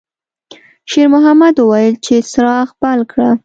شېرمحمد وویل چې څراغ بل کړه.